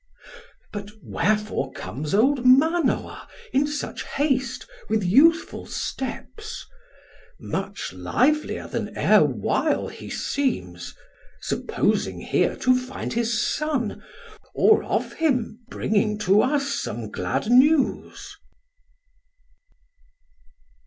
1440 But wherefore comes old Manoa in such hast With youthful steps? much livelier than e're while He seems: supposing here to find his Son, Or of him bringing to us some glad news?